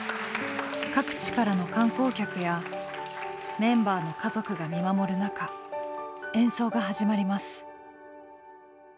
各地からの観光客やメンバーの家族が見守る中演奏が始まります。